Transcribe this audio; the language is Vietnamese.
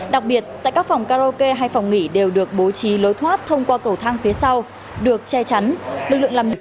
đặc biệt tại các phòng karaoke hay phòng nghỉ đều được bố trí lối thoát thông qua cầu thang phía sau được che chắn